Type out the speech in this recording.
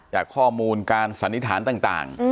จากข้อมูลการสันนิษฐานต่าง